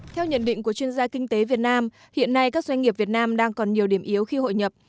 theo nhận định của chuyên gia kinh tế việt nam hiện nay các doanh nghiệp việt nam đang còn nhiều điểm yếu khi hội nhập